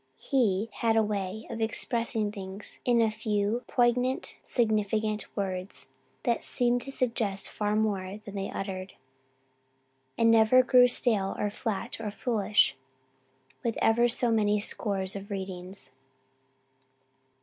He "had a way" of expressing things in a few poignant, significant words that seemed to suggest far more than they uttered, and never grew stale or flat or foolish with ever so many scores of readings.